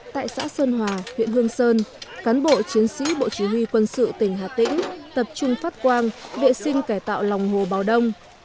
tại xã sơn hòa huyện hương sơn cán bộ chiến sĩ bộ chỉ huy quân sự tỉnh hà tĩnh tập trung phát quang vệ sinh cải tạo lòng hồ bào đông